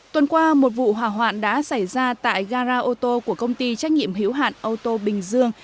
tuần qua một vụ hỏa hoạn đã xảy ra tại gara ô tô của công ty trách nhiệm hiếu hạn ô tô bình dương